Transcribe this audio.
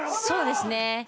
そうですね。